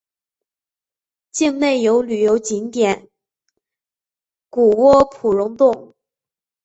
境内有旅游景点谷窝普熔洞。